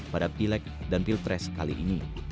pada pileg dan pilpres kali ini